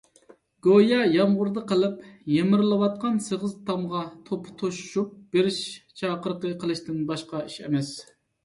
گويا يامغۇردا قېلىپ يېمىرىلىۋاتقان سېغىز تامغا توپا توشۇشۇپ بېرىش چاقىرىقى قىلىشتىن باشقا ئىش ئەمەس.